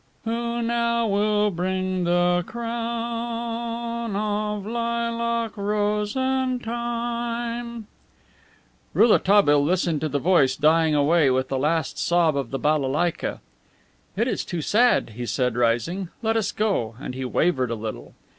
Who now will bring the crown Of lilac, rose and thyme?" Rouletabille listened to the voice dying away with the last sob of the balalaika. "It is too sad," he said, rising. "Let us go," and he wavered a little.